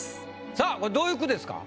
さぁこれどういう句ですか？